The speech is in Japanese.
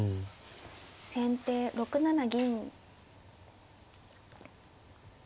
先手６七銀。